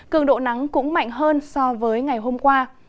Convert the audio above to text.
cường độ nắng cũng mạnh hơn so với ngày hôm qua